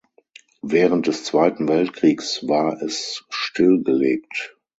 Während des Zweiten Weltkriegs war es stillgelegt.